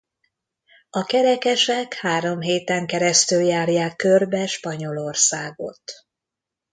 A kerekesek három héten keresztül járják körbe Spanyolországot.